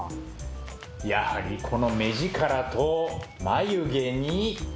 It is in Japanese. やはりこの目力と眉毛に。